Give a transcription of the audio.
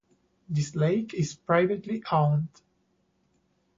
This lake is privately owned.